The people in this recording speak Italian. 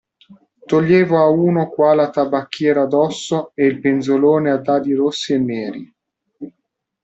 Toglievo a uno qua la tabacchiera d'osso e il penzolone a dadi rossi e neri.